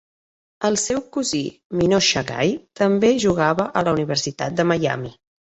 El seu cosí Mionsha Gay també jugava a la Universitat de Miami.